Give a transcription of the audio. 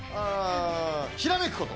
ひらめくこと。